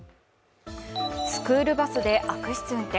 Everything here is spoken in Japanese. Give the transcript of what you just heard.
スクールバスで悪質運転。